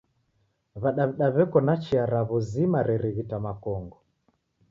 W'adaw'da w'eko na chia raw'o zima rerighita makongo.